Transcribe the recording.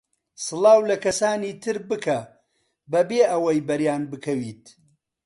سڵاو لە کەسانی تر بکە بەبێ ئەوەی بەریان بکەویت.